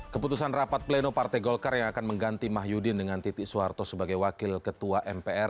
keputusan rapat pleno partai golkar yang akan mengganti mah yudin dengan titik soeharto sebagai wakil ketua mpr